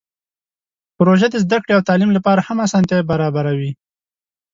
پروژه د زده کړې او تعلیم لپاره هم اسانتیاوې برابروي.